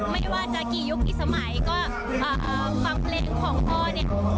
ไม่ว่าจะกี่ยุคกี่สมัยก็ฟังเพลงของพ่อเนี่ย